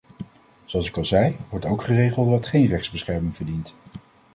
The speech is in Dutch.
Zoals ik al zei, wordt ook geregeld wat geen rechtsbescherming verdient.